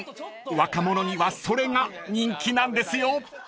若者にはそれが人気なんですよ］